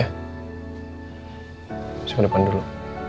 masih ke depan dulu